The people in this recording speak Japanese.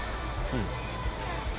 うん。